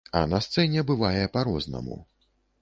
А на сцэне бывае па-рознаму.